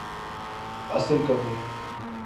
اصل کمی ہے۔